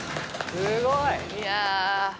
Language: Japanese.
すごい！いや。